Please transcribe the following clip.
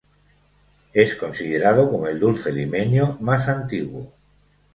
Es considerado como el dulce limeño más antiguo.